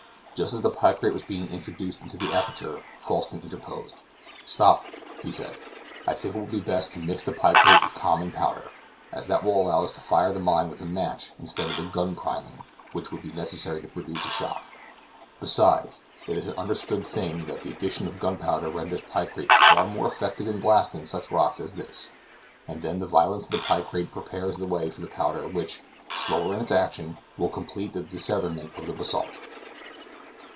Just as the picrate was being introduced into the aperture, Falsten interposed: "Stop," he said, "I think it will be best to mix the picrate with common powder, as that will allow us to fire the mine with a match instead of the gun priming which would be necessary to produce a shock. Besides, it is an understood thing that the addition of gunpowder renders picrate far more effective in blasting such rocks as this, as then the violence of the picrate prepares the way for the powder which, slower in its action, will complete the disseverment of the basalt."